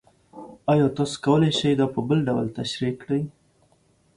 ایا تاسو کولی شئ دا په بل ډول تشریح کړئ؟